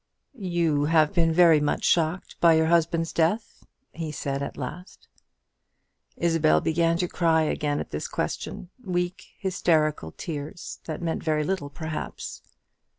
"You have been very much shocked by your husband's death?" he said at last. Isabel began to cry again at this question, weak hysterical tears, that meant very little, perhaps.